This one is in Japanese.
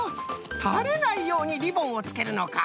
たれないようにリボンをつけるのか。